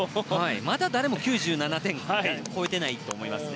まだ誰も９７点超えてないと思います。